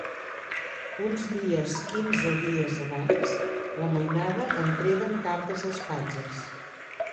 Uns dies quinze dies abans la mainada entreguen cartes als patges.